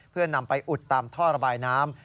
เพื่อนำไปอุดตามท่อระบายน้ำ